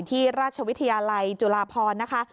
ที่ราชวิทยาลัยจุฬาพรนะคะ